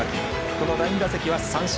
この第２打席は三振。